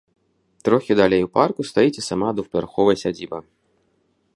Трохі далей у парку стаіць і сама двухпавярховая сядзіба.